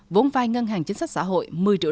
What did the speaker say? vốn vai ngân hàng chính sách xã hội